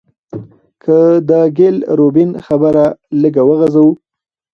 که د ګيل روبين خبره لږه وغزوو